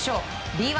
Ｂ１